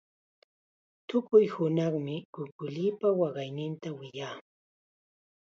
Tukuy hunaqmi kukulipa waqayninta wiyaa.